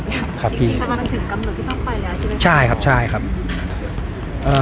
ถ้ามาถึงกำหนดที่ต้องไปแล้วใช่ไหมครับใช่ครับใช่ครับเอ่อ